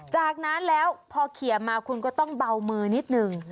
จากนั้นแล้วพอเขียนมาคุณก็ต้องเบามือนิดนึง